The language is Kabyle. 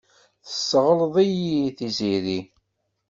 Tesseɣleḍ-iyi Tiziri.